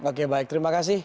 oke baik terima kasih